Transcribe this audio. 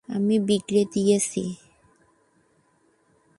আমি বিগড়ে দিয়েছি।